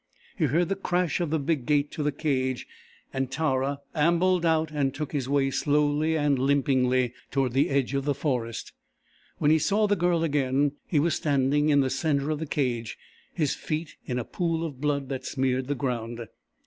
He heard the crash of the big gate to the cage, and Tara, ambled out and took his way slowly and limpingly toward the edge of the forest. When he saw the Girl again, he was standing in the centre of the cage, his feet in a pool of blood that smeared the ground.